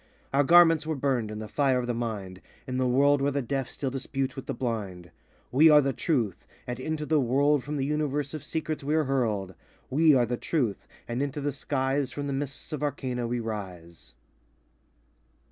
Our garments were burned in the fire of the Mind, In the world where the Deaf still dispute with the Blind. We are the Truth, And into the world From the Universe of Secrets we're hurled. W r e are the Truth, And into the skies From the Mists of Arcana we rise.